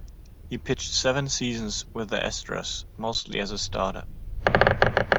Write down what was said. He pitched seven seasons with the Astros, mostly as a starter.